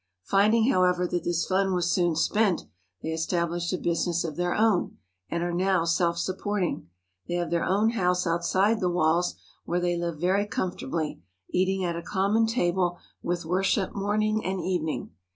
Finding, however, that this fund was soon spent, they established a business of their own and are now self supporting. They have their own house out side the walls, where they live very comfortably, eating at a common table with worship morning and evening.